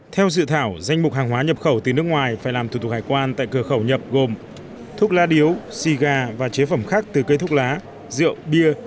theo dự thảo danh mục hàng hóa nhập khẩu từ nước ngoài phải làm thủ tục hải quan tại cửa khẩu nhập gồm thuốc lá điếu xì gà và chế phẩm khác từ cây thuốc lá rượu bia